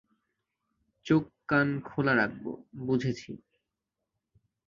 চোখ কান খোলা রাখবো, বুঝেছি।